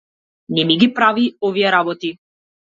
Не ми ги прави овие работи.